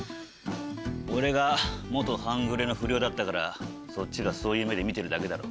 俺が半グレの不良だったからそっちがそういう目で見てるだけだろ？